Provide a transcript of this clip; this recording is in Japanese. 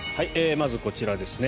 まず、こちらですね。